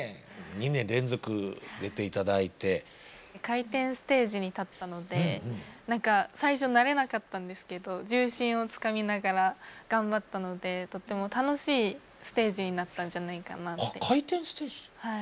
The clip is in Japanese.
回転ステージに立ったので何か最初慣れなかったんですけど重心をつかみながら頑張ったのでとっても楽しいステージになったんじゃないかなって。